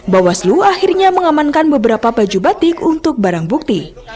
bawaslu akhirnya mengamankan beberapa baju batik untuk barang bukti